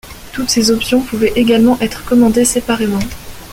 Toutes ces options pouvaient également être commandées séparément.